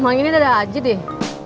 mang ini dada haji deh